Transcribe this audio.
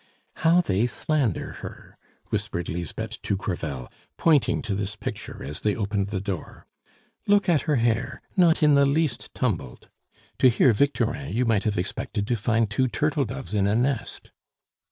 "How they slander her!" whispered Lisbeth to Crevel, pointing to this picture as they opened the door. "Look at her hair not in the least tumbled. To hear Victorin, you might have expected to find two turtle doves in a nest."